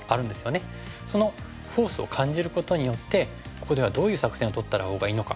そのフォースを感じることによってここではどういう作戦をとったほうがいいのか。